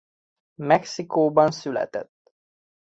Mexikóban született.